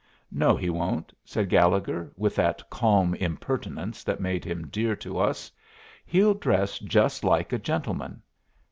"No, he won't," said Gallegher, with that calm impertinence that made him dear to us. "He'll dress just like a gentleman.